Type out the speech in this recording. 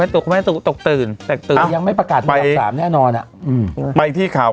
ตกตื่นแต่ตื่นยังไม่ประกาศแน่นอนอ่ะอืมไปที่ข่าว